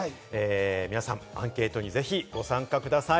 皆さん、アンケートにぜひご参加ください。